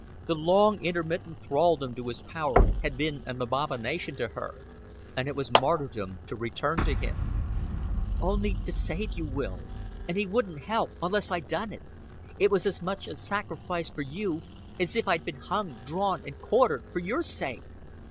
The long intermittent thraldom to his power had been an abomination to her, and it was martyrdom to return to him. "Only to save you, Will. And he wouldn't help unless I done it. It was as much a sacrifice for you as if I'd been hung, drawn, and quartered for your sake."